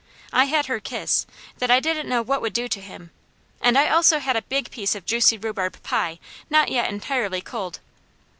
I had her kiss, that I didn't know what would do to him, and I also had a big piece of juicy rhubarb pie not yet entirely cold.